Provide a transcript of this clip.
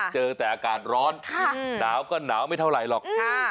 เจอแต่อากาศร้อนหนาวก็หนาวไม่เท่าไหร่หรอก